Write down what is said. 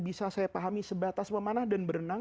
bisa saya pahami sebatas memanah dan berenang